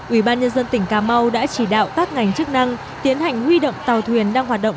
ủy ban nhân dân tỉnh cà mau đã chỉ đạo các ngành chức năng tiến hành huy động tàu thuyền đang hoạt động